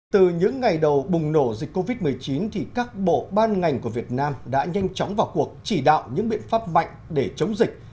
từ những ngày đầu bùng nổ dịch covid một mươi chín các bộ ban ngành của việt nam đã nhanh chóng vào cuộc chỉ đạo những biện pháp mạnh để chống dịch